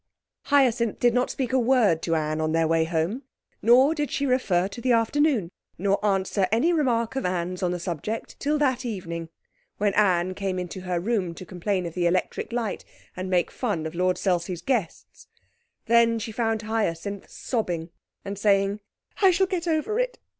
Hyacinth did not speak a word to Anne on their way home, nor did she refer to the afternoon, nor answer any remark of Anne's on the subject till that evening, when Anne came into her room to complain of the electric light and make fun of Lord Selsey's guests. Then she found Hyacinth sobbing, and saying 'I shall get over it.